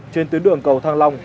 trên tuyến đường cầu thăng long